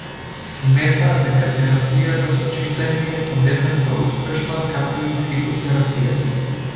Смета дека терапијата со читање подеднакво е успешна како и психотерапијата.